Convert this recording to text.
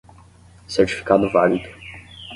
Certificado válido